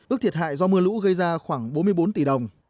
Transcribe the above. ước thiệt hại do mưa lũ gây ra khoảng bốn mươi bốn tỷ đồng